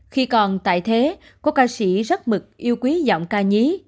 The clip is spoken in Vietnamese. khi còn tại thế cô ca sĩ rất mực yêu quý giọng ca nhí